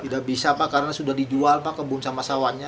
tidak bisa pak karena sudah dijual pak kebun sama sawannya